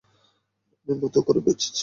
রানির মতো করে বেঁচেছে সে।